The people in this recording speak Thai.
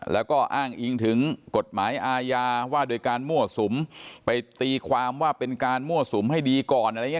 แล้วก็อ้างอิงถึงกฎหมายอาญาว่าโดยการมั่วสุมไปตีความว่าเป็นการมั่วสุมให้ดีก่อนอะไรอย่างนี้